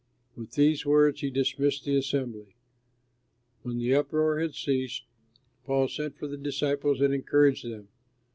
With these words he dismissed the assembly. When the uproar had ceased, Paul sent for the disciples and encouraged them.